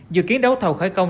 dự kiến đấu thầu khởi công